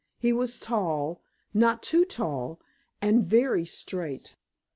He was tall not too tall, and very straight.